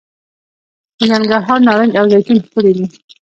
د ننګرهار نارنج او زیتون ښکلي دي.